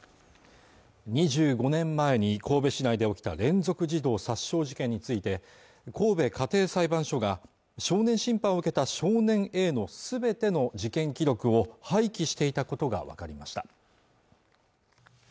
２５年前に神戸市内で起きた連続児童殺傷事件について神戸家庭裁判所が少年審判を受けた少年Ａのすべての事件記録を廃棄していたことが分かりました